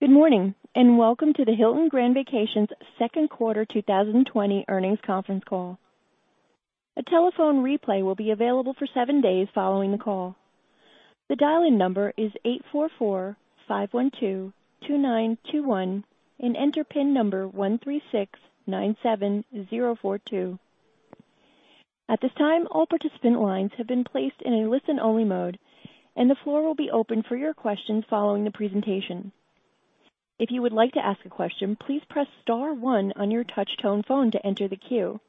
Good morning and welcome to the Hilton Grand Vacations second quarter 2020 earnings conference call. A telephone replay will be available for seven days following the call. The dial-in number is 844-512-2921 and enter PIN number 13697042. At this time, all participant lines have been placed in a listen-only mode, and the floor will be open for your questions following the presentation. If you would like to ask a question, please press star one on your touch-tone phone to enter the queue.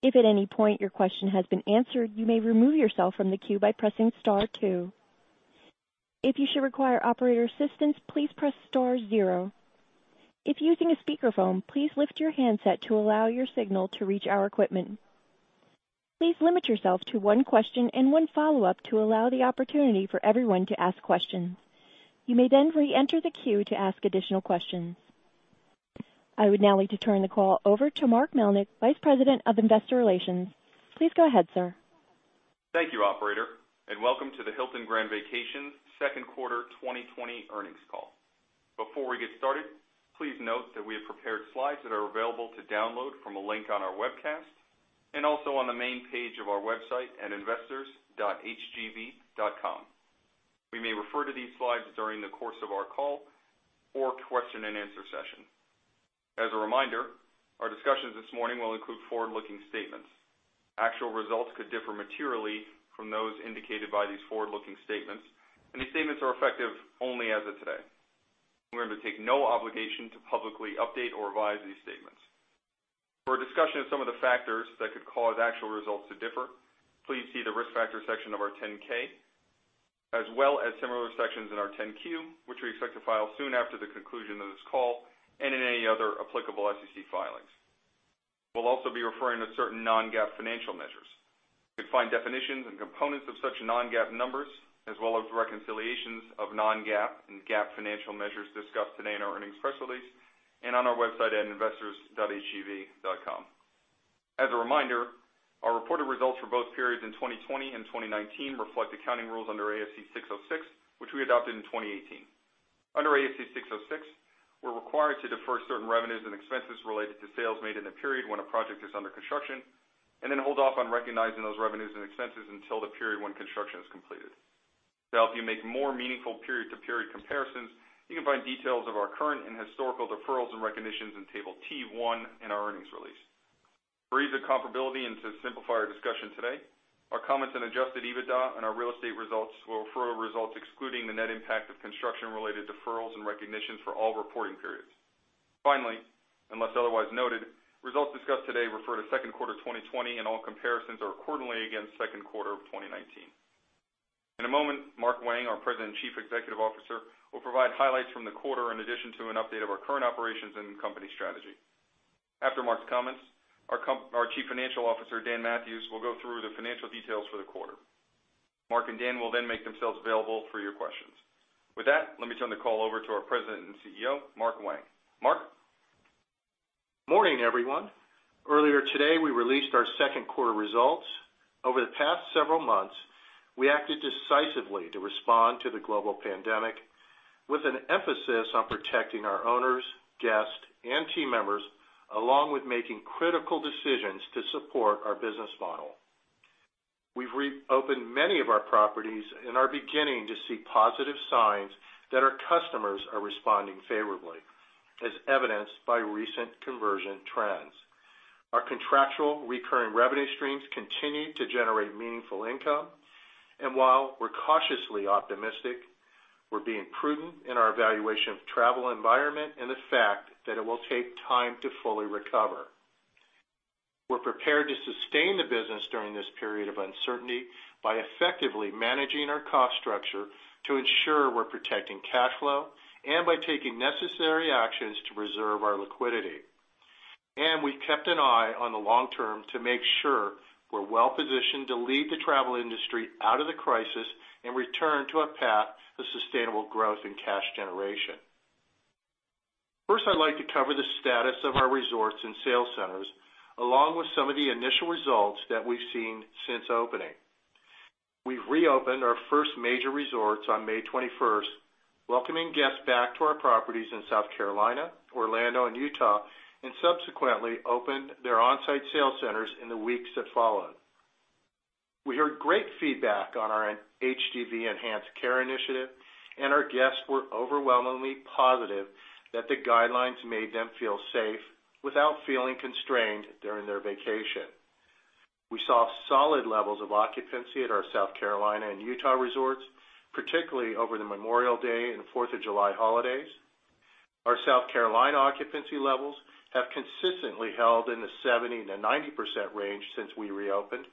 If at any point your question has been answered, you may remove yourself from the queue by pressing star two. If you should require operator assistance, please press star zero. If using a speakerphone, please lift your handset to allow your signal to reach our equipment. Please limit yourself to one question and one follow-up to allow the opportunity for everyone to ask questions. You may then re-enter the queue to ask additional questions. I would now like to turn the call over to Mark Melnyk, Vice President of Investor Relations. Please go ahead, sir. Thank you, operator, and welcome to the Hilton Grand Vacations second quarter 2020 earnings call. Before we get started, please note that we have prepared slides that are available to download from a link on our webcast and also on the main page of our website at investors.hgv.com. We may refer to these slides during the course of our call or question-and-answer session. As a reminder, our discussions this morning will include forward-looking statements. Actual results could differ materially from those indicated by these forward-looking statements, and these statements are effective only as of today. We're going to take no obligation to publicly update or revise these statements. For a discussion of some of the factors that could cause actual results to differ, please see the risk factor section of our 10-K, as well as similar sections in our 10-Q, which we expect to file soon after the conclusion of this call and in any other applicable SEC filings. We'll also be referring to certain non-GAAP financial measures. You can find definitions and components of such non-GAAP numbers, as well as reconciliations of non-GAAP and GAAP financial measures discussed today in our earnings press release and on our website at investors.hgv.com. As a reminder, our reported results for both periods in 2020 and 2019 reflect accounting rules under ASC 606, which we adopted in 2018. Under ASC 606, we're required to defer certain revenues and expenses related to sales made in the period when a project is under construction and then hold off on recognizing those revenues and expenses until the period when construction is completed. To help you make more meaningful period-to-period comparisons, you can find details of our current and historical deferrals and recognitions in table T1 in our earnings release. For ease of comparability and to simplify our discussion today, our comments on Adjusted EBITDA and our real estate results will refer to results excluding the net impact of construction-related deferrals and recognitions for all reporting periods. Finally, unless otherwise noted, results discussed today refer to second quarter 2020, and all comparisons are accordingly against second quarter of 2019. In a moment, Mark Wang, our President and Chief Executive Officer, will provide highlights from the quarter in addition to an update of our current operations and company strategy. After Mark's comments, our Chief Financial Officer, Dan Mathewes, will go through the financial details for the quarter. Mark and Dan will then make themselves available for your questions. With that, let me turn the call over to our President and CEO, Mark Wang. Mark? Morning, everyone. Earlier today, we released our second quarter results. Over the past several months, we acted decisively to respond to the global pandemic with an emphasis on protecting our owners, guests, and team members, along with making critical decisions to support our business model. We've reopened many of our properties, and are beginning to see positive signs that our customers are responding favorably, as evidenced by recent conversion trends. Our contractual recurring revenue streams continue to generate meaningful income, and while we're cautiously optimistic, we're being prudent in our evaluation of the travel environment and the fact that it will take time to fully recover. We're prepared to sustain the business during this period of uncertainty by effectively managing our cost structure to ensure we're protecting cash flow and by taking necessary actions to preserve our liquidity. We've kept an eye on the long term to make sure we're well positioned to lead the travel industry out of the crisis and return to a path of sustainable growth and cash generation. First, I'd like to cover the status of our resorts and sales centers, along with some of the initial results that we've seen since opening. We've reopened our first major resorts on May 21st, welcoming guests back to our properties in South Carolina, Orlando, and Utah, and subsequently opened their on-site sales centers in the weeks that followed. We heard great feedback on our HGV Enhanced Care initiative, and our guests were overwhelmingly positive that the guidelines made them feel safe without feeling constrained during their vacation. We saw solid levels of occupancy at our South Carolina and Utah resorts, particularly over the Memorial Day and Fourth of July holidays. Our South Carolina occupancy levels have consistently held in the 70%-90% range since we reopened,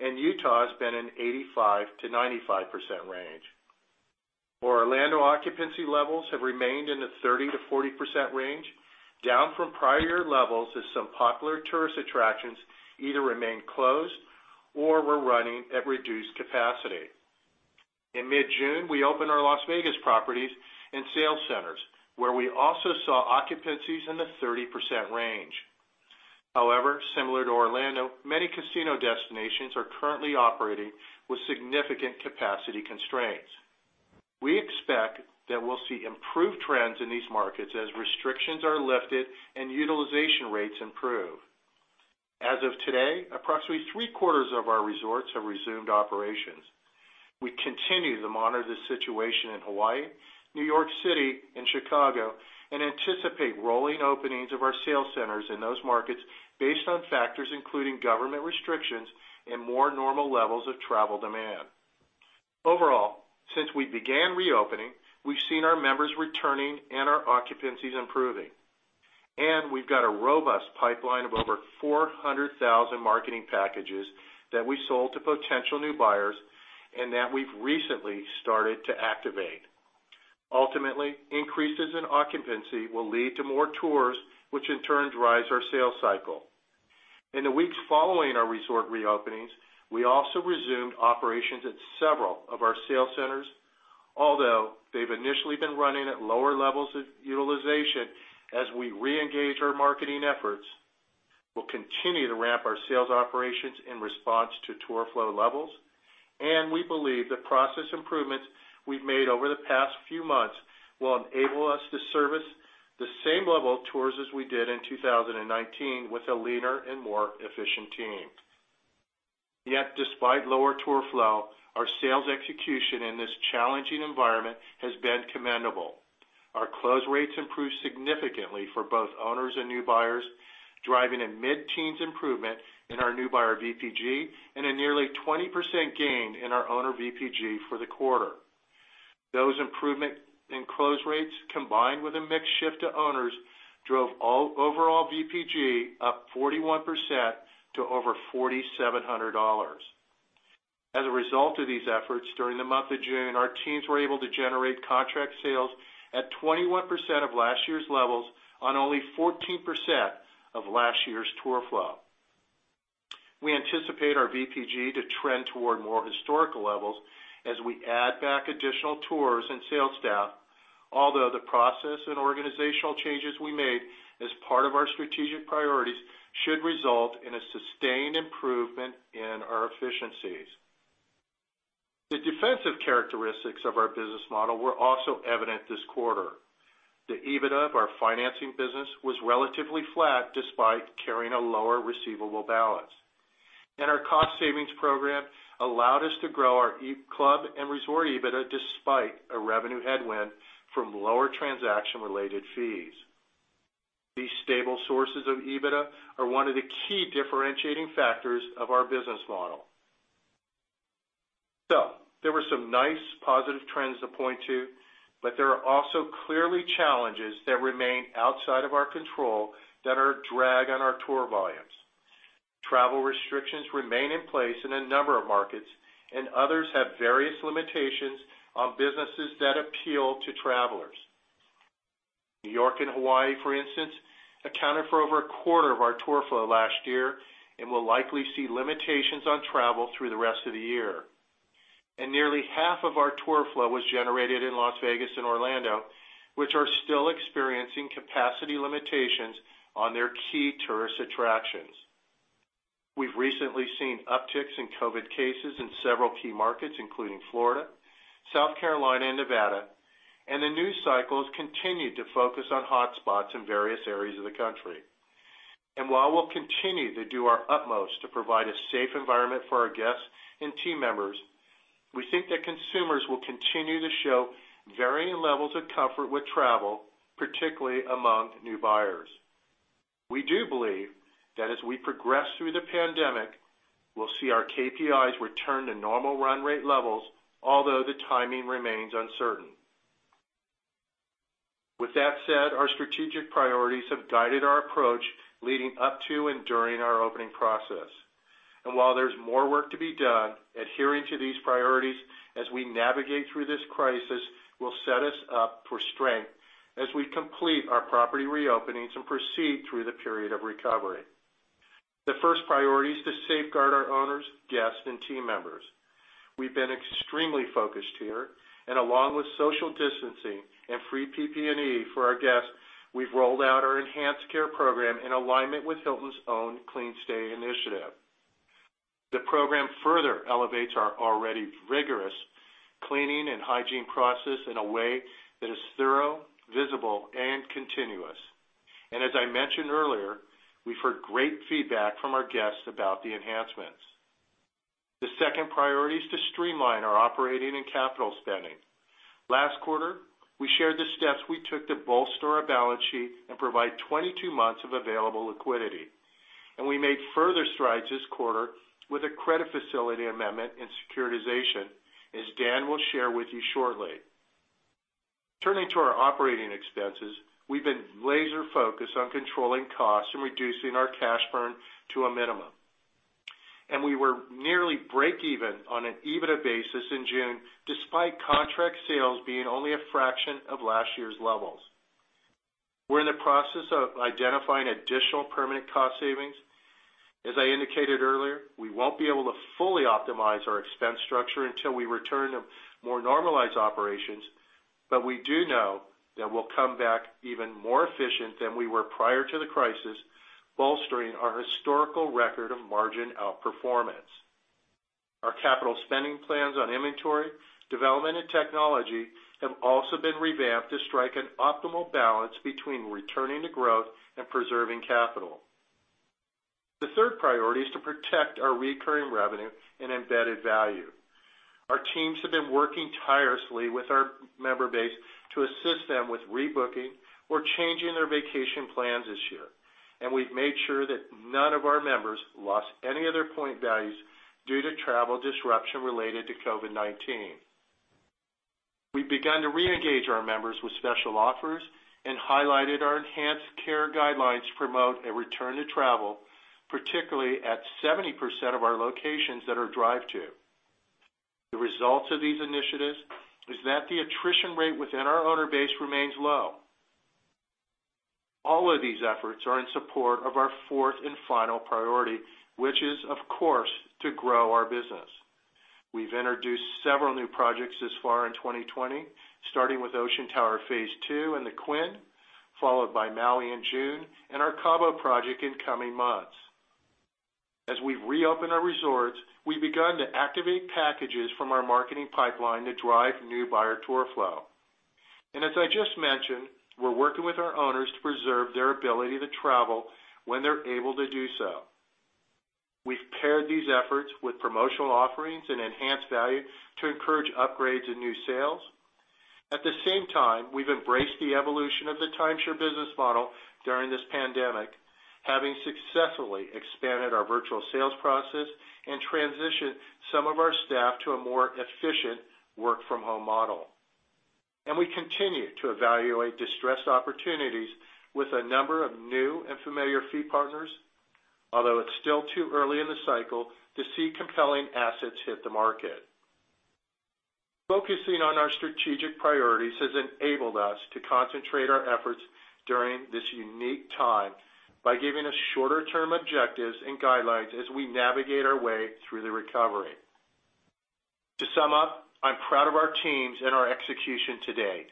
and Utah has been in the 85%-95% range. Orlando occupancy levels have remained in the 30%-40% range, down from prior levels as some popular tourist attractions either remained closed or were running at reduced capacity. In mid-June, we opened our Las Vegas properties and sales centers, where we also saw occupancies in the 30% range. However, similar to Orlando, many casino destinations are currently operating with significant capacity constraints. We expect that we'll see improved trends in these markets as restrictions are lifted and utilization rates improve. As of today, approximately three quarters of our resorts have resumed operations. We continue to monitor the situation in Hawaii, New York City, and Chicago, and anticipate rolling openings of our sales centers in those markets based on factors including government restrictions and more normal levels of travel demand. Overall, since we began reopening, we've seen our members returning and our occupancies improving. We've got a robust pipeline of over 400,000 marketing packages that we sold to potential new buyers and that we've recently started to activate. Ultimately, increases in occupancy will lead to more tours, which in turn drives our sales cycle. In the weeks following our resort reopenings, we also resumed operations at several of our sales centers, although they've initially been running at lower levels of utilization as we re-engage our marketing efforts. We'll continue to ramp our sales operations in response to tour flow levels, and we believe the process improvements we've made over the past few months will enable us to service the same level of tours as we did in 2019 with a leaner and more efficient team. Yet, despite lower tour flow, our sales execution in this challenging environment has been commendable. Our close rates improved significantly for both owners and new buyers, driving a mid-teens improvement in our new buyer VPG and a nearly 20% gain in our owner VPG for the quarter. Those improvements in close rates, combined with a mix shift to owners, drove overall VPG up 41% to over $4,700. As a result of these efforts during the month of June, our teams were able to generate contract sales at 21% of last year's levels on only 14% of last year's tour flow. We anticipate our VPG to trend toward more historical levels as we add back additional tours and sales staff, although the process and organizational changes we made as part of our strategic priorities should result in a sustained improvement in our efficiencies. The defensive characteristics of our business model were also evident this quarter. The EBITDA of our financing business was relatively flat despite carrying a lower receivable balance. Our cost savings program allowed us to grow our club and resort EBITDA despite a revenue headwind from lower transaction-related fees. These stable sources of EBITDA are one of the key differentiating factors of our business model. There were some nice positive trends to point to, but there are also clearly challenges that remain outside of our control that are a drag on our tour volumes. Travel restrictions remain in place in a number of markets, and others have various limitations on businesses that appeal to travelers. New York and Hawaii, for instance, accounted for over a quarter of our tour flow last year and will likely see limitations on travel through the rest of the year. Nearly half of our tour flow was generated in Las Vegas and Orlando, which are still experiencing capacity limitations on their key tourist attractions. We've recently seen upticks in COVID cases in several key markets, including Florida, South Carolina, and Nevada, and the news cycles continue to focus on hotspots in various areas of the country. While we'll continue to do our utmost to provide a safe environment for our guests and team members, we think that consumers will continue to show varying levels of comfort with travel, particularly among new buyers. We do believe that as we progress through the pandemic, we'll see our KPIs return to normal run rate levels, although the timing remains uncertain. With that said, our strategic priorities have guided our approach leading up to and during our opening process. While there's more work to be done, adhering to these priorities as we navigate through this crisis will set us up for strength as we complete our property reopenings and proceed through the period of recovery. The first priority is to safeguard our owners, guests, and team members. We've been extremely focused here, and along with social distancing and free PP&E for our guests, we've rolled out our Enhanced Care program in alignment with Hilton's own CleanStay initiative. The program further elevates our already rigorous cleaning and hygiene process in a way that is thorough, visible, and continuous. And as I mentioned earlier, we've heard great feedback from our guests about the enhancements. The second priority is to streamline our operating and capital spending. Last quarter, we shared the steps we took to bolster our balance sheet and provide 22 months of available liquidity. We made further strides this quarter with a credit facility amendment and securitization, as Dan will share with you shortly. Turning to our operating expenses, we've been laser-focused on controlling costs and reducing our cash burn to a minimum. We were nearly break-even on an EBITDA basis in June, despite contract sales being only a fraction of last year's levels. We're in the process of identifying additional permanent cost savings. As I indicated earlier, we won't be able to fully optimize our expense structure until we return to more normalized operations, but we do know that we'll come back even more efficient than we were prior to the crisis, bolstering our historical record of margin outperformance. Our capital spending plans on inventory, development, and technology have also been revamped to strike an optimal balance between returning to growth and preserving capital. The third priority is to protect our recurring revenue and embedded value. Our teams have been working tirelessly with our member base to assist them with rebooking or changing their vacation plans this year. We've made sure that none of our members lost any of their point values due to travel disruption related to COVID-19. We've begun to reengage our members with special offers and highlighted our Enhanced Care guidelines to promote a return to travel, particularly at 70% of our locations that are drive-to. The result of these initiatives is that the attrition rate within our owner base remains low. All of these efforts are in support of our fourth and final priority, which is, of course, to grow our business. We've introduced several new projects this far in 2020, starting with Ocean Tower Phase Two and the Quin, followed by Maui in June, and our Cabo project in coming months. As we've reopened our resorts, we've begun to activate packages from our marketing pipeline to drive new buyer tour flow. As I just mentioned, we're working with our owners to preserve their ability to travel when they're able to do so. We've paired these efforts with promotional offerings and enhanced value to encourage upgrades and new sales. At the same time, we've embraced the evolution of the timeshare business model during this pandemic, having successfully expanded our virtual sales process and transitioned some of our staff to a more efficient work-from-home model. And we continue to evaluate distressed opportunities with a number of new and familiar fee partners, although it's still too early in the cycle to see compelling assets hit the market. Focusing on our strategic priorities has enabled us to concentrate our efforts during this unique time by giving us shorter-term objectives and guidelines as we navigate our way through the recovery. To sum up, I'm proud of our teams and our execution today.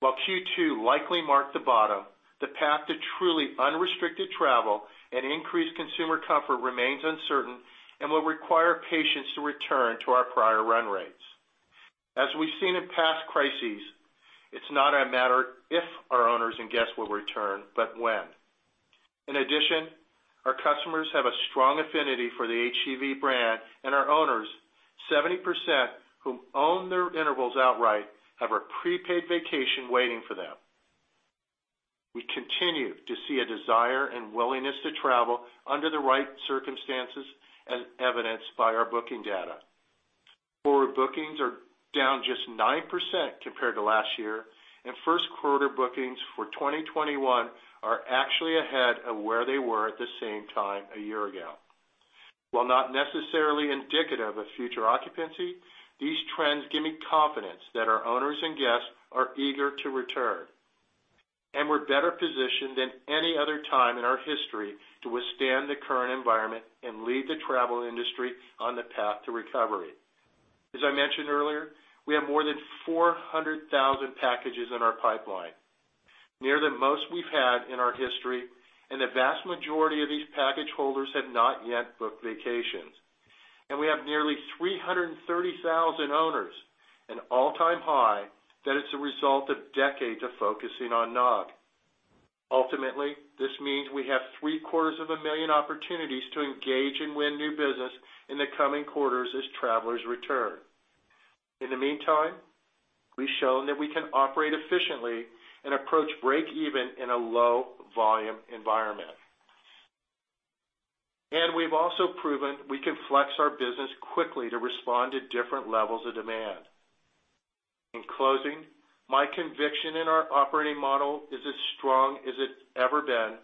While Q2 likely marked the bottom, the path to truly unrestricted travel and increased consumer comfort remains uncertain and will require patience to return to our prior run rates. As we've seen in past crises, it's not a matter of if our owners and guests will return, but when. In addition, our customers have a strong affinity for the HGV brand, and our owners, 70%, who own their intervals outright, have a prepaid vacation waiting for them. We continue to see a desire and willingness to travel under the right circumstances, as evidenced by our booking data. Forward bookings are down just 9% compared to last year, and first-quarter bookings for 2021 are actually ahead of where they were at the same time a year ago. While not necessarily indicative of future occupancy, these trends give me confidence that our owners and guests are eager to return. We're better positioned than any other time in our history to withstand the current environment and lead the travel industry on the path to recovery. As I mentioned earlier, we have more than 400,000 packages in our pipeline, near the most we've had in our history, and the vast majority of these package holders have not yet booked vacations. We have nearly 330,000 owners, an all-time high that is the result of decades of focusing on NOG. Ultimately, this means we have 750,000 opportunities to engage and win new business in the coming quarters as travelers return. In the meantime, we've shown that we can operate efficiently and approach break-even in a low-volume environment. We've also proven we can flex our business quickly to respond to different levels of demand. In closing, my conviction in our operating model is as strong as it's ever been,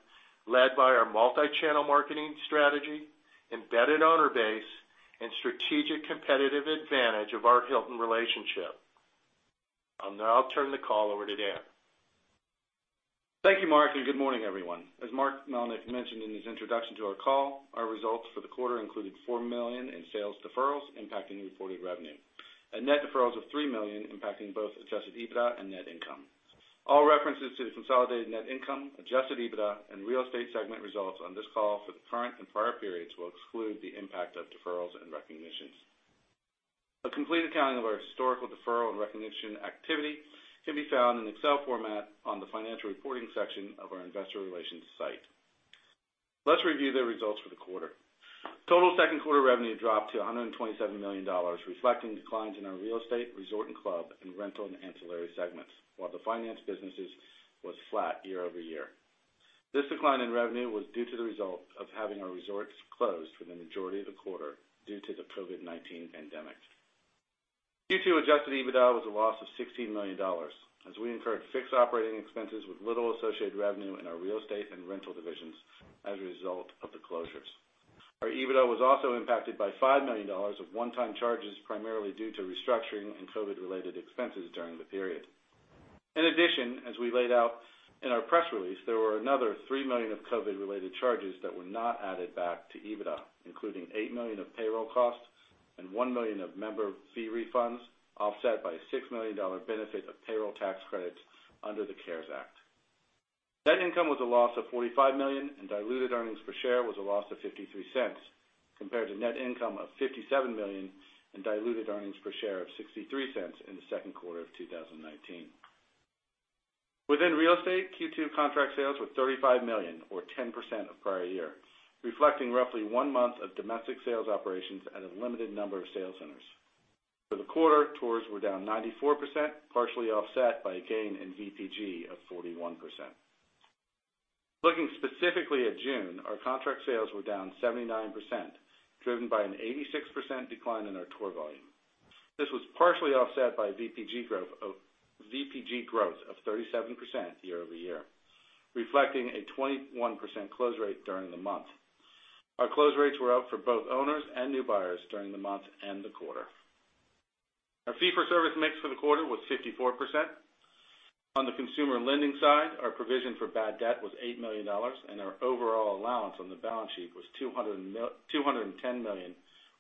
led by our multi-channel marketing strategy, embedded owner base, and strategic competitive advantage of our Hilton relationship. I'll now turn the call over to Dan. Thank you, Mark, and good morning, everyone. As Mark Melnyk mentioned in his introduction to our call, our results for the quarter included $4 million in sales deferrals impacting reported revenue and net deferrals of $3 million impacting both adjusted EBITDA and net income. All references to the consolidated net income, adjusted EBITDA, and real estate segment results on this call for the current and prior periods will exclude the impact of deferrals and recognitions. A complete accounting of our historical deferral and recognition activity can be found in Excel format on the financial reporting section of our investor relations site. Let's review the results for the quarter. Total second-quarter revenue dropped to $127 million, reflecting declines in our real estate, resort and club, and rental and ancillary segments, while the finance business was flat year-over-year. This decline in revenue was due to the result of having our resorts closed for the majority of the quarter due to the COVID-19 pandemic. Q2 adjusted EBITDA was a loss of $16 million, as we incurred fixed operating expenses with little associated revenue in our real estate and rental divisions as a result of the closures. Our EBITDA was also impacted by $5 million of one-time charges, primarily due to restructuring and COVID-related expenses during the period. In addition, as we laid out in our press release, there were another $3 million of COVID-related charges that were not added back to EBITDA, including $8 million of payroll costs and $1 million of member fee refunds, offset by a $6 million benefit of payroll tax credits under the CARES Act. Net income was a loss of $45 million, and diluted earnings per share was a loss of $0.53, compared to net income of $57 million and diluted earnings per share of $0.63 in the second quarter of 2019. Within real estate, Q2 contract sales were $35 million, or 10% of prior year, reflecting roughly one month of domestic sales operations at a limited number of sales centers. For the quarter, tours were down 94%, partially offset by a gain in VPG of 41%. Looking specifically at June, our contract sales were down 79%, driven by an 86% decline in our tour volume. This was partially offset by VPG growth of 37% year-over-year, reflecting a 21% close rate during the month. Our close rates were up for both owners and new buyers during the month and the quarter. Our fee-for-service mix for the quarter was 54%. On the consumer lending side, our provision for bad debt was $8 million, and our overall allowance on the balance sheet was $210 million,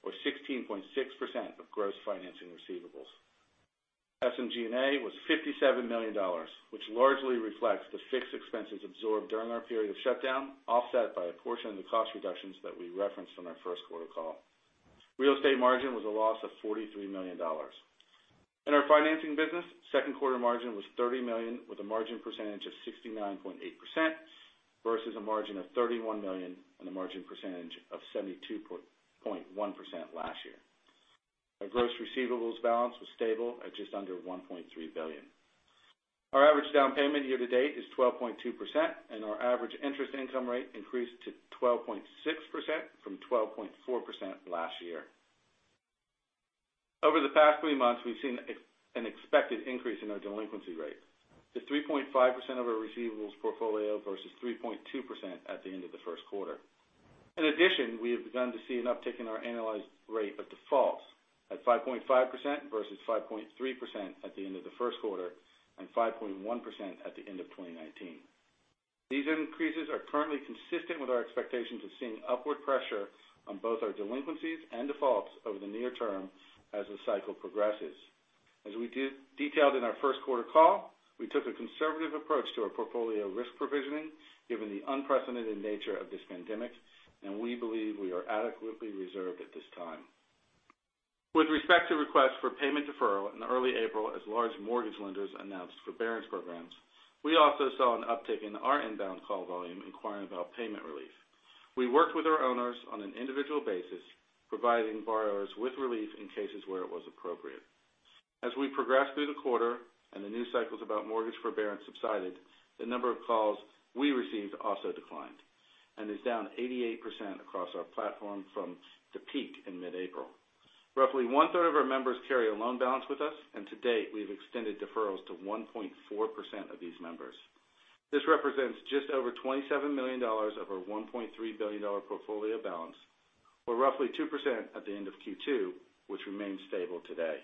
or 16.6% of gross financing receivables. SMG&A was $57 million, which largely reflects the fixed expenses absorbed during our period of shutdown, offset by a portion of the cost reductions that we referenced on our first quarter call. Real estate margin was a loss of $43 million. In our financing business, second-quarter margin was $30 million, with a margin percentage of 69.8% versus a margin of $31 million and a margin percentage of 72.1% last year. Our gross receivables balance was stable at just under $1.3 billion. Our average down payment year-to-date is 12.2%, and our average interest income rate increased to 12.6% from 12.4% last year. Over the past three months, we've seen an expected increase in our delinquency rate to 3.5% of our receivables portfolio versus 3.2% at the end of the first quarter. In addition, we have begun to see an uptick in our annualized rate of defaults at 5.5% versus 5.3% at the end of the first quarter and 5.1% at the end of 2019. These increases are currently consistent with our expectations of seeing upward pressure on both our delinquencies and defaults over the near term as the cycle progresses. As we detailed in our first quarter call, we took a conservative approach to our portfolio risk provisioning, given the unprecedented nature of this pandemic, and we believe we are adequately reserved at this time. With respect to requests for payment deferral in early April, as large mortgage lenders announced forbearance programs, we also saw an uptick in our inbound call volume inquiring about payment relief. We worked with our owners on an individual basis, providing borrowers with relief in cases where it was appropriate. As we progressed through the quarter and the new cycles about mortgage forbearance subsided, the number of calls we received also declined and is down 88% across our platform from the peak in mid-April. Roughly one-third of our members carry a loan balance with us, and to date, we've extended deferrals to 1.4% of these members. This represents just over $27 million of our $1.3 billion portfolio balance, or roughly 2% at the end of Q2, which remains stable today.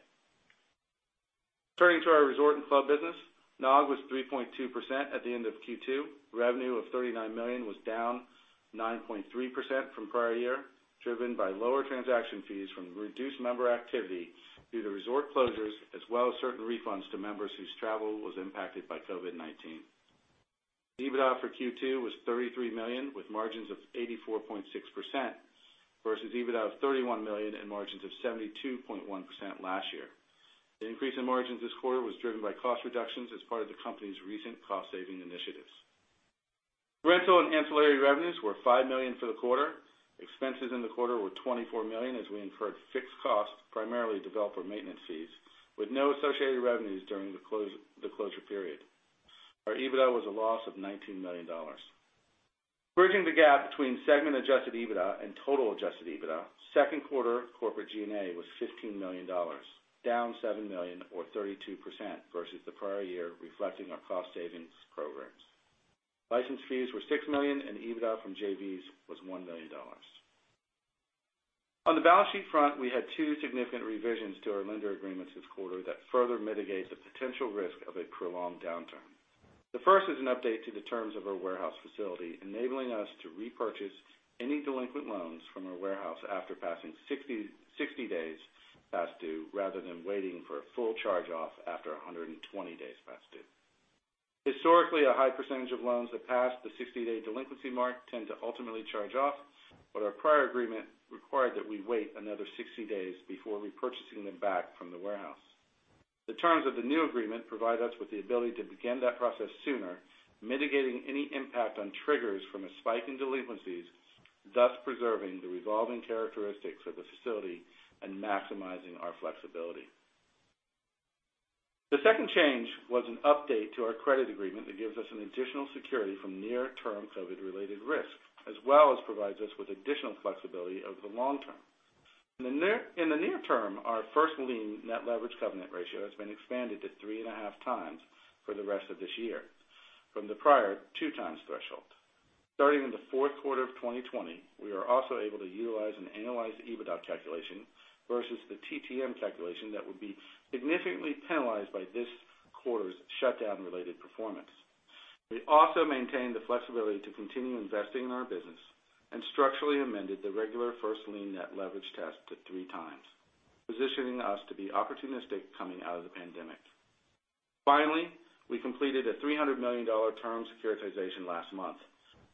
Turning to our resort and club business, NOG was 3.2% at the end of Q2. Revenue of $39 million was down 9.3% from prior year, driven by lower transaction fees from reduced member activity due to resort closures, as well as certain refunds to members whose travel was impacted by COVID-19. EBITDA for Q2 was $33 million, with margins of 84.6% versus EBITDA of $31 million and margins of 72.1% last year. The increase in margins this quarter was driven by cost reductions as part of the company's recent cost-saving initiatives. Rental and ancillary revenues were $5 million for the quarter. Expenses in the quarter were $24 million, as we incurred fixed costs, primarily developer maintenance fees, with no associated revenues during the closure period. Our EBITDA was a loss of $19 million. Bridging the gap between segment-adjusted EBITDA and total-adjusted EBITDA, second-quarter corporate G&A was $15 million, down $7 million, or 32% versus the prior year, reflecting our cost-savings programs. License fees were $6 million, and EBITDA from JVs was $1 million. On the balance sheet front, we had two significant revisions to our lender agreements this quarter that further mitigate the potential risk of a prolonged downturn. The first is an update to the terms of our warehouse facility, enabling us to repurchase any delinquent loans from our warehouse after passing 60 days past due, rather than waiting for a full charge-off after 120 days past due. Historically, a high percentage of loans that pass the 60-day delinquency mark tend to ultimately charge off, but our prior agreement required that we wait another 60 days before repurchasing them back from the warehouse. The terms of the new agreement provide us with the ability to begin that process sooner, mitigating any impact on triggers from a spike in delinquencies, thus preserving the revolving characteristics of the facility and maximizing our flexibility. The second change was an update to our credit agreement that gives us an additional security from near-term COVID-related risk, as well as provides us with additional flexibility over the long term. In the near term, our first lien net leverage covenant ratio has been expanded to 3.5x for the rest of this year, from the prior 2x threshold. Starting in the fourth quarter of 2020, we are also able to utilize an annualized EBITDA calculation versus the TTM calculation that would be significantly penalized by this quarter's shutdown-related performance. We also maintained the flexibility to continue investing in our business and structurally amended the regular first lien net leverage test to 3x, positioning us to be opportunistic coming out of the pandemic. Finally, we completed a $300 million term securitization last month.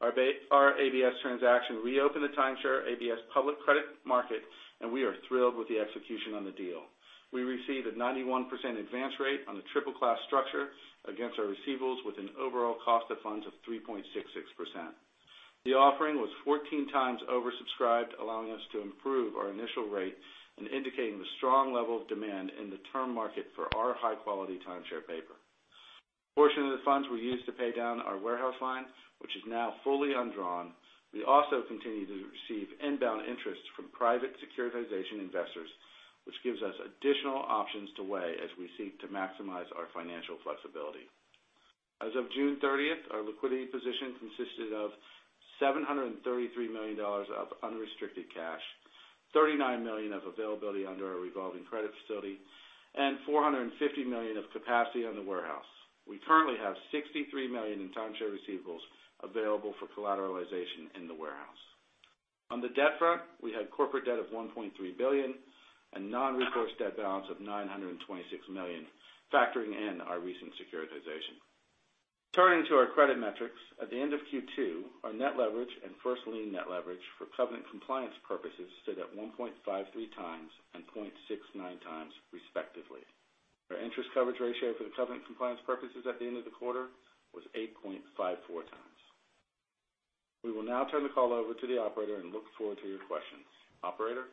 Our ABS transaction reopened the timeshare ABS public credit market, and we are thrilled with the execution on the deal. We received a 91% advance rate on a triple-class structure against our receivables, with an overall cost of funds of 3.66%. The offering was 14 times oversubscribed, allowing us to improve our initial rate and indicating the strong level of demand in the term market for our high-quality timeshare paper. A portion of the funds were used to pay down our warehouse line, which is now fully undrawn. We also continue to receive inbound interest from private securitization investors, which gives us additional options to weigh as we seek to maximize our financial flexibility. As of June 30th, our liquidity position consisted of $733 million of unrestricted cash, $39 million of availability under our revolving credit facility, and $450 million of capacity on the warehouse. We currently have $63 million in timeshare receivables available for collateralization in the warehouse. On the debt front, we had corporate debt of $1.3 billion and non-recourse debt balance of $926 million, factoring in our recent securitization. Turning to our credit metrics, at the end of Q2, our net leverage and first lien net leverage for covenant compliance purposes stood at 1.53 times and 0.69 times, respectively. Our interest coverage ratio for the covenant compliance purposes at the end of the quarter was 8.54 times. We will now turn the call over to the operator and look forward to your questions. Operator.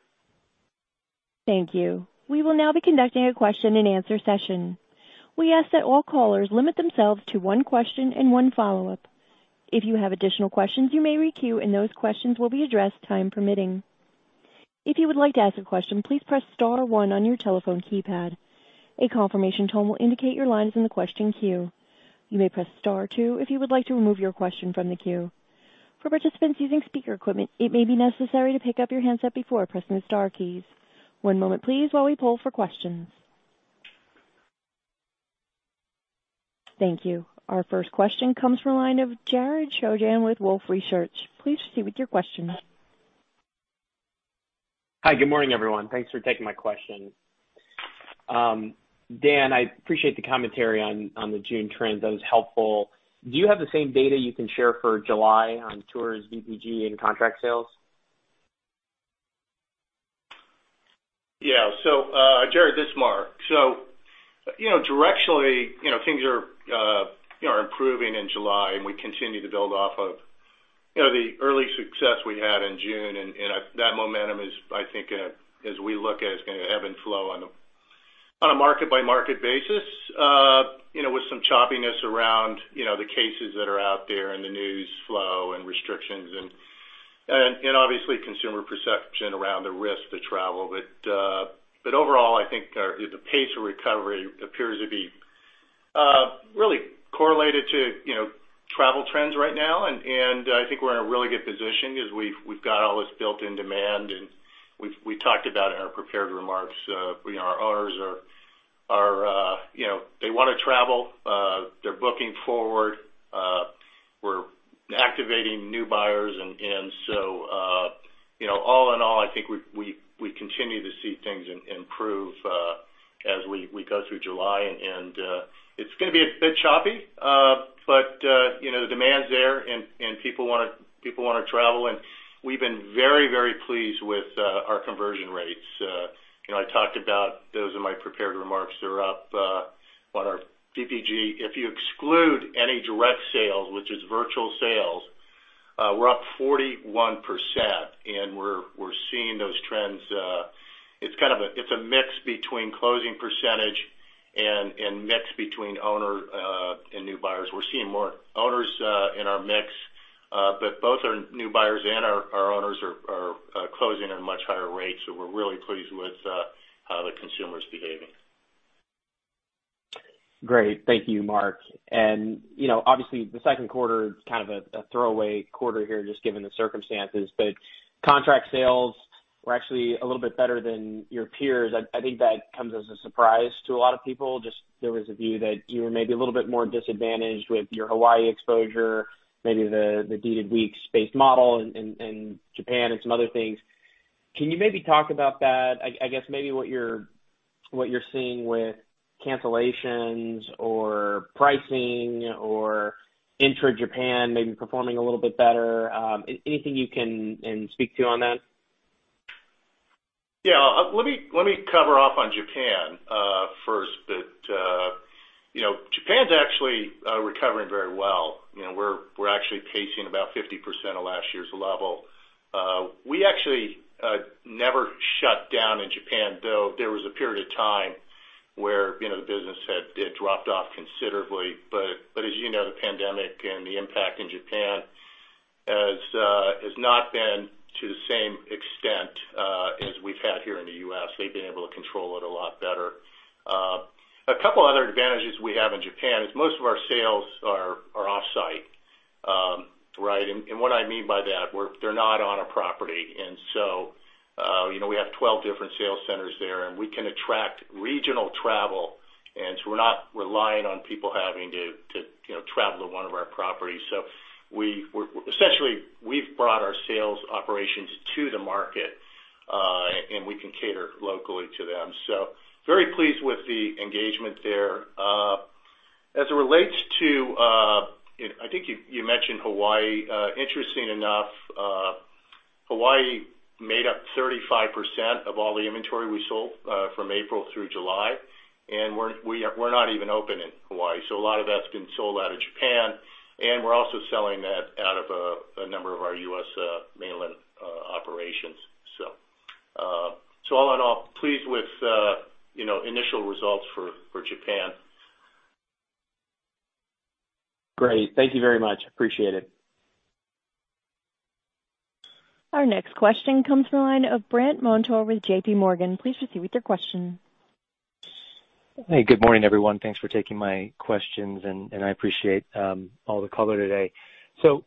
Thank you. We will now be conducting a question-and-answer session. We ask that all callers limit themselves to one question and one follow-up. If you have additional questions, you may re-queue, and those questions will be addressed time permitting. If you would like to ask a question, please press star one on your telephone keypad. A confirmation tone will indicate your line is in the question queue. You may press star two if you would like to remove your question from the queue. For participants using speaker equipment, it may be necessary to pick up your handset before pressing the star keys. One moment, please, while we pull for questions. Thank you. Our first question comes from a line of Jared Shojaian with Wolfe Research. Please proceed with your question. Hi, good morning, everyone. Thanks for taking my question. Dan, I appreciate the commentary on the June trend. That was helpful. Do you have the same data you can share for July on tours, VPG, and contract sales? Yeah. So, Jared, this is Mark. So, directionally, things are improving in July, and we continue to build off of the early success we had in June, and that momentum is, I think, as we look at it, it's going to ebb and flow on a market-by-market basis, with some choppiness around the cases that are out there and the news flow and restrictions and, obviously, consumer perception around the risk to travel. But overall, I think the pace of recovery appears to be really correlated to travel trends right now, and I think we're in a really good position because we've got all this built-in demand, and we talked about in our prepared remarks. Our owners, they want to travel. They're booking forward. We're activating new buyers, and so, all in all, I think we continue to see things improve as we go through July, and it's going to be a bit choppy, but the demand's there, and people want to travel, and we've been very, very pleased with our conversion rates. I talked about those in my prepared remarks. They're up on our VPG. If you exclude any direct sales, which is virtual sales, we're up 41%, and we're seeing those trends. It's a mix between closing percentage and a mix between owner and new buyers. We're seeing more owners in our mix, but both our new buyers and our owners are closing at much higher rates, so we're really pleased with how the consumer's behaving. Great. Thank you, Mark. And, obviously, the second quarter is kind of a throwaway quarter here, just given the circumstances, but contract sales were actually a little bit better than your peers. I think that comes as a surprise to a lot of people. Just there was a view that you were maybe a little bit more disadvantaged with your Hawaii exposure, maybe the deeded weeks-based model in Japan and some other things. Can you maybe talk about that? I guess maybe what you're seeing with cancellations or pricing or intra-Japan maybe performing a little bit better. Anything you can speak to on that? Yeah. Let me cover off on Japan first, but Japan's actually recovering very well. We're actually pacing about 50% of last year's level. We actually never shut down in Japan, though there was a period of time where the business had dropped off considerably. But, as you know, the pandemic and the impact in Japan has not been to the same extent as we've had here in the U.S. They've been able to control it a lot better. A couple of other advantages we have in Japan is most of our sales are off-site. Right? And what I mean by that, they're not on a property. And so we have 12 different sales centers there, and we can attract regional travel, and so we're not relying on people having to travel to one of our properties. So, essentially, we've brought our sales operations to the market, and we can cater locally to them. So, very pleased with the engagement there. As it relates to, I think you mentioned Hawaii. Interesting enough, Hawaii made up 35% of all the inventory we sold from April through July, and we're not even open in Hawaii. So, a lot of that's been sold out of Japan, and we're also selling that out of a number of our U.S. mainland operations. So, all in all, pleased with initial results for Japan. Great. Thank you very much. Appreciate it. Our next question comes from a line of Brent Montour with J.P. Morgan. Please proceed with your question. Hey, good morning, everyone. Thanks for taking my questions, and I appreciate all the color today. So,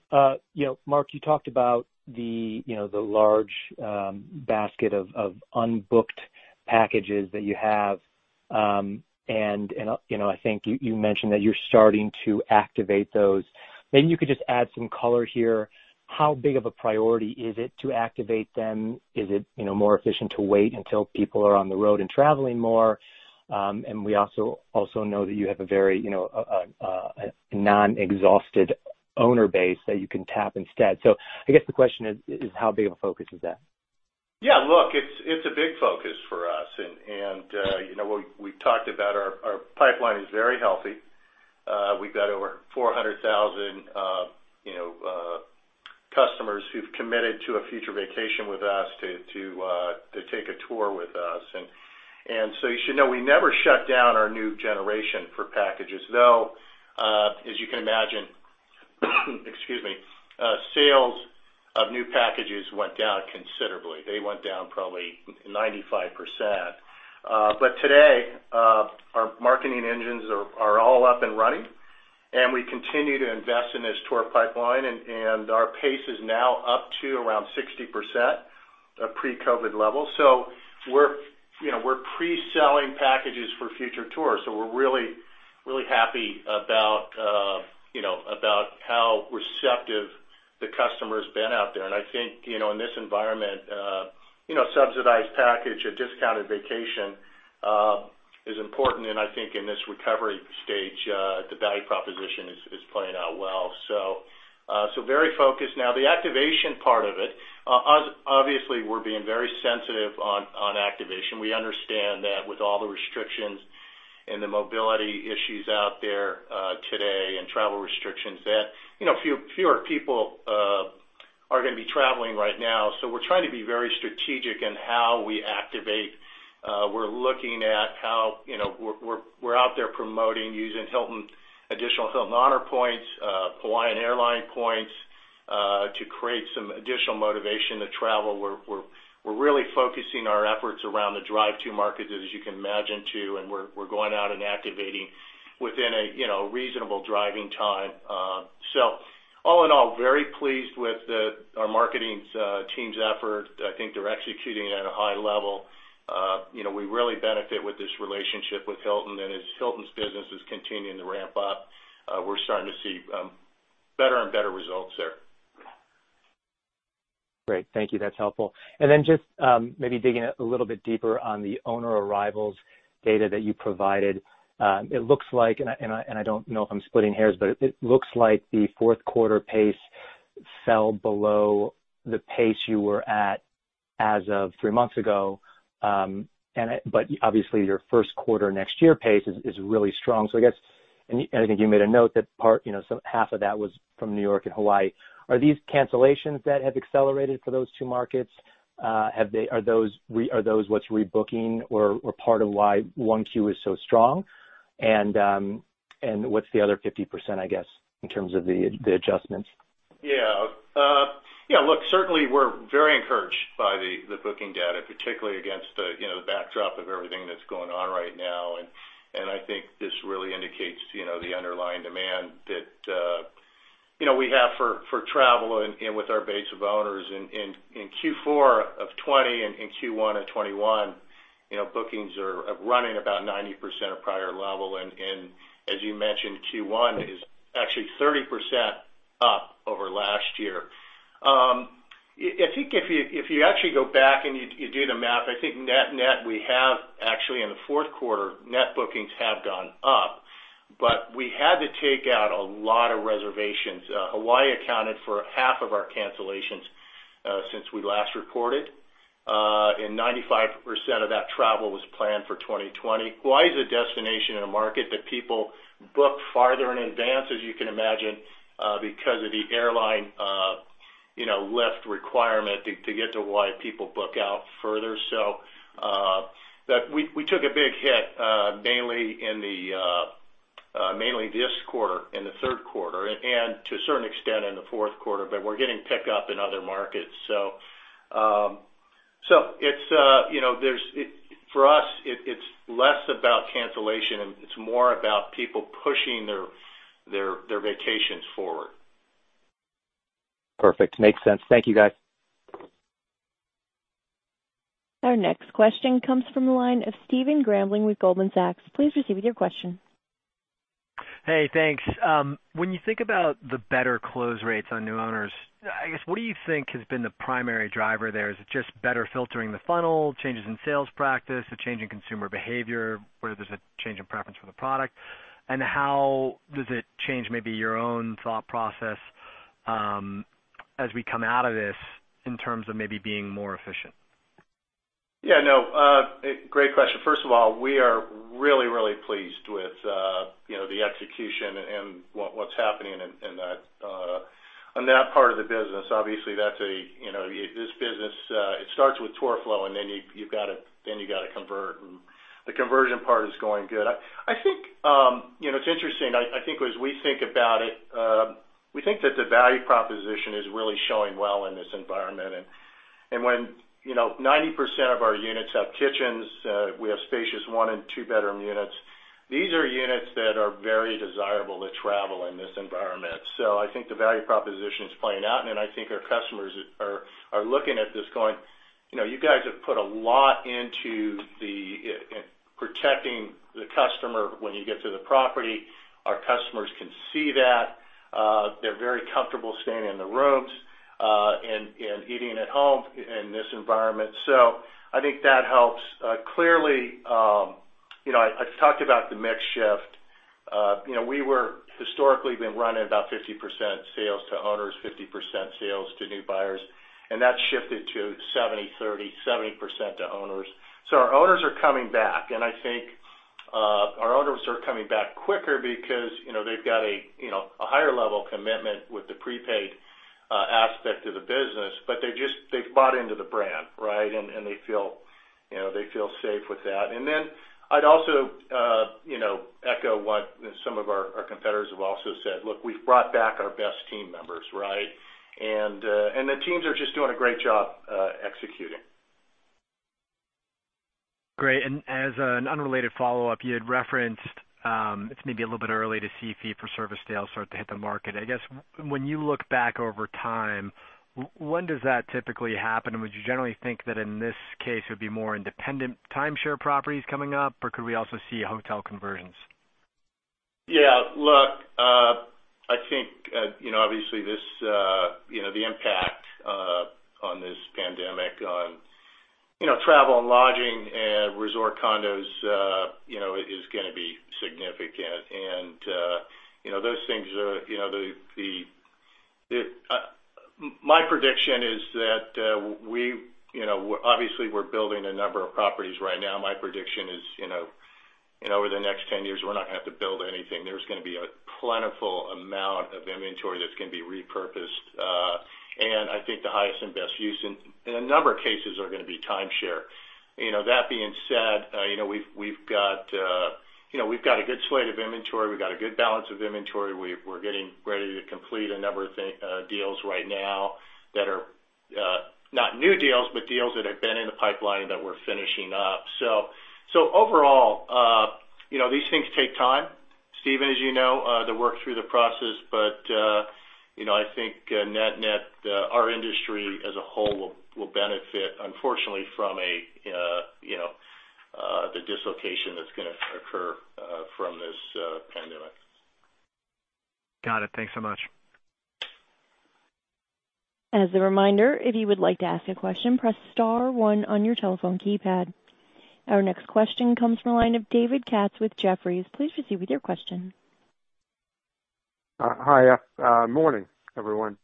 Mark, you talked about the large basket of unbooked packages that you have, and I think you mentioned that you're starting to activate those. Maybe you could just add some color here. How big of a priority is it to activate them? Is it more efficient to wait until people are on the road and traveling more? And we also know that you have a very non-exhausted owner base that you can tap instead. So, I guess the question is, how big of a focus is that? Yeah. Look, it's a big focus for us, and we've talked about our pipeline is very healthy. We've got over 400,000 customers who've committed to a future vacation with us to take a tour with us. And so, you should know we never shut down our new generation for packages, though, as you can imagine, excuse me, sales of new packages went down considerably. They went down probably 95%. But today, our marketing engines are all up and running, and we continue to invest in this tour pipeline, and our pace is now up to around 60% of pre-COVID levels. So, we're pre-selling packages for future tours, so we're really happy about how receptive the customer's been out there. And I think, in this environment, a subsidized package, a discounted vacation is important, and I think, in this recovery stage, the value proposition is playing out well. So, very focused now. The activation part of it, obviously, we're being very sensitive on activation. We understand that, with all the restrictions and the mobility issues out there today and travel restrictions, that fewer people are going to be traveling right now. So, we're trying to be very strategic in how we activate. We're looking at how we're out there promoting, using additional Hilton Honors points, Hawaiian Airlines points to create some additional motivation to travel. We're really focusing our efforts around the drive-to markets, as you can imagine, too, and we're going out and activating within a reasonable driving time. So, all in all, very pleased with our marketing team's effort. I think they're executing at a high level. We really benefit with this relationship with Hilton, and as Hilton's business is continuing to ramp up, we're starting to see better and better results there. Great. Thank you. That's helpful. And then just maybe digging a little bit deeper on the owner arrivals data that you provided, it looks like—and I don't know if I'm splitting hairs—but it looks like the fourth quarter pace fell below the pace you were at as of three months ago, but, obviously, your first quarter next year pace is really strong. So, I guess, and I think you made a note that half of that was from New York and Hawaii. Are these cancellations that have accelerated for those two markets? Are those what's rebooking or part of why Q1 is so strong? And what's the other 50%, I guess, in terms of the adjustments? Yeah. Yeah. Look, certainly, we're very encouraged by the booking data, particularly against the backdrop of everything that's going on right now, and I think this really indicates the underlying demand that we have for travel and with our base of owners. In Q4 of 2020 and Q1 of 2021, bookings are running about 90% of prior level, and, as you mentioned, Q1 is actually 30% up over last year. I think if you actually go back and you do the math, I think net net, we have actually, in the fourth quarter, net bookings have gone up, but we had to take out a lot of reservations. Hawaii accounted for half of our cancellations since we last reported, and 95% of that travel was planned for 2020. Hawaii's a destination and a market that people book farther in advance, as you can imagine, because of the airline lift requirement to get to Hawaii, people book out further. So, we took a big hit, mainly this quarter, in the third quarter, and to a certain extent in the fourth quarter, but we're getting pickup in other markets. So, for us, it's less about cancellation, and it's more about people pushing their vacations forward. Perfect. Makes sense. Thank you, guys. Our next question comes from a line of Stephen Grambling with Goldman Sachs. Please proceed with your question. Hey, thanks. When you think about the better close rates on new owners, I guess, what do you think has been the primary driver there? Is it just better filtering the funnel, changes in sales practice, a change in consumer behavior, whether there's a change in preference for the product? How does it change maybe your own thought process as we come out of this in terms of maybe being more efficient? Yeah. No, great question. First of all, we are really, really pleased with the execution and what's happening in that part of the business. Obviously, this business, it starts with tour flow, and then you've got to convert, and the conversion part is going good. I think it's interesting. I think, as we think about it, we think that the value proposition is really showing well in this environment. And when 90% of our units have kitchens, we have spacious one- and two-bedroom units, these are units that are very desirable to travel in this environment. So, I think the value proposition is playing out, and I think our customers are looking at this going, "You guys have put a lot into protecting the customer when you get to the property." Our customers can see that. They're very comfortable staying in the rooms and eating at home in this environment. So, I think that helps. Clearly, I've talked about the mix shift. We were, historically, been running about 50% sales to owners, 50% sales to new buyers, and that's shifted to 70/30, 70% to owners. So, our owners are coming back, and I think our owners are coming back quicker because they've got a higher level commitment with the prepaid aspect of the business, but they've bought into the brand, right, and they feel safe with that. And then I'd also echo what some of our competitors have also said. Look, we've brought back our best team members, right, and the teams are just doing a great job executing. Great. And as an unrelated follow-up, you had referenced it's maybe a little bit early to see fee-for-service sales start to hit the market. I guess, when you look back over time, when does that typically happen? And would you generally think that, in this case, it would be more independent timeshare properties coming up, or could we also see hotel conversions? Yeah. Look, I think, obviously, the impact on this pandemic on travel and lodging and resort condos is going to be significant, and those things are. My prediction is that we, obviously, we're building a number of properties right now. My prediction is, in over the next 10 years, we're not going to have to build anything. There's going to be a plentiful amount of inventory that's going to be repurposed, and I think the highest and best use in a number of cases are going to be timeshare. That being said, we've got a good slate of inventory. We've got a good balance of inventory. We're getting ready to complete a number of deals right now that are not new deals, but deals that have been in the pipeline that we're finishing up. So, overall, these things take time. Stephen, as you know, to work through the process, but I think net net, our industry as a whole will benefit, unfortunately, from the dislocation that's going to occur from this pandemic. Got it. Thanks so much. As a reminder, if you would like to ask a question, press star one on your telephone keypad. Our next question comes from a line of David Katz with Jefferies. Please proceed with your question. Hi. Good morning, everyone,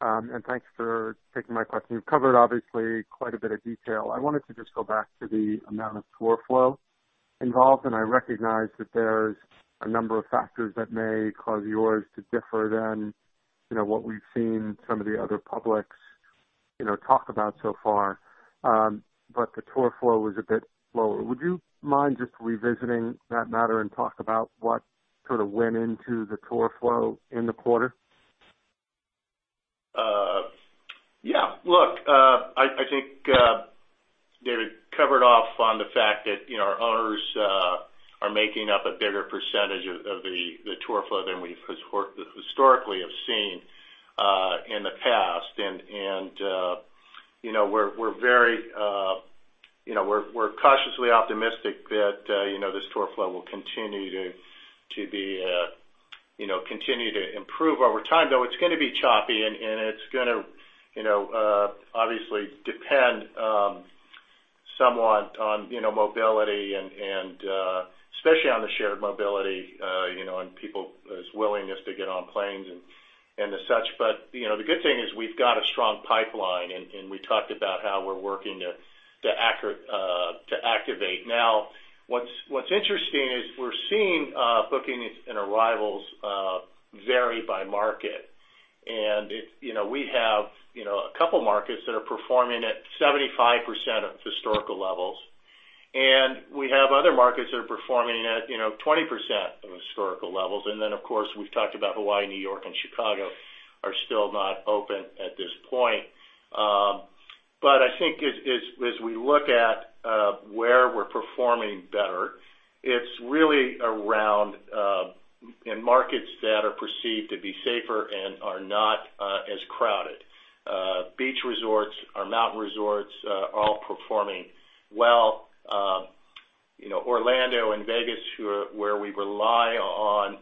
and thanks for taking my question. You've covered, obviously, quite a bit of detail. I wanted to just go back to the amount of tour flow involved, and I recognize that there's a number of factors that may cause yours to differ than what we've seen some of the other publics talk about so far, but the tour flow was a bit lower. Would you mind just revisiting that matter and talk about what sort of went into the tour flow in the quarter? Yeah. Look, I think David covered off on the fact that our owners are making up a bigger percentage of the tour flow than we've historically seen in the past, and we're very—we're cautiously optimistic that this tour flow will continue to be—continue to improve over time, though it's going to be choppy, and it's going to, obviously, depend somewhat on mobility, and especially on the shared mobility and people's willingness to get on planes and as such. But the good thing is we've got a strong pipeline, and we talked about how we're working to activate. Now, what's interesting is we're seeing bookings and arrivals vary by market, and we have a couple of markets that are performing at 75% of historical levels, and we have other markets that are performing at 20% of historical levels. And then, of course, we've talked about Hawaii, New York, and Chicago are still not open at this point. But I think, as we look at where we're performing better, it's really around in markets that are perceived to be safer and are not as crowded. Beach resorts or mountain resorts are all performing well. Orlando and Vegas, where we rely on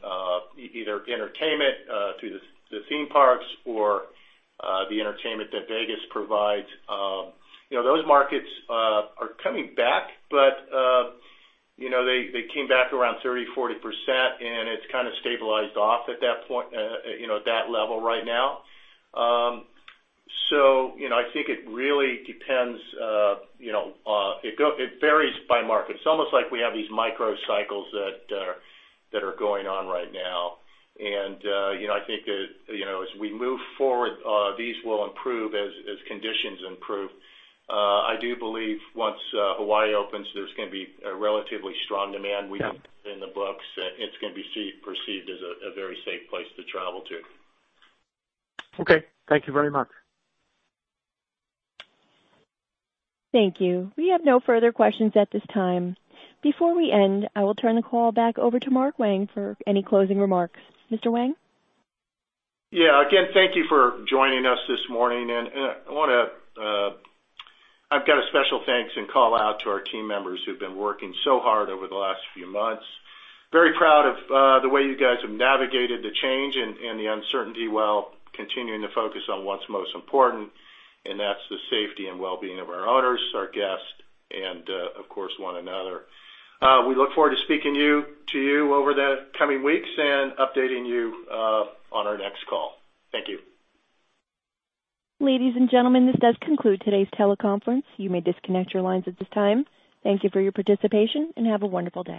either entertainment through the theme parks or the entertainment that Vegas provides, those markets are coming back, but they came back around 30%-40%, and it's kind of stabilized off at that point, at that level right now. So, I think it really depends. It varies by market. It's almost like we have these microcycles that are going on right now, and I think that, as we move forward, these will improve as conditions improve. I do believe, once Hawaii opens, there's going to be a relatively strong demand. We have it in the books, and it's going to be perceived as a very safe place to travel to. Okay. Thank you very much. Thank you. We have no further questions at this time. Before we end, I will turn the call back over to Mark Wang for any closing remarks. Mr. Wang? Yeah. Again, thank you for joining us this morning, and I want to, I've got a special thanks and call out to our team members who've been working so hard over the last few months. Very proud of the way you guys have navigated the change and the uncertainty while continuing to focus on what's most important, and that's the safety and well-being of our owners, our guests, and, of course, one another. We look forward to speaking to you over the coming weeks and updating you on our next call. Thank you. Ladies and gentlemen, this does conclude today's teleconference. You may disconnect your lines at this time. Thank you for your participation, and have a wonderful day.